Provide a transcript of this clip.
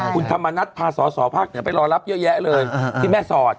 คุณธรรมนัฐพาสอสอภาคเหนือไปรอรับเยอะแยะเลยที่แม่สอด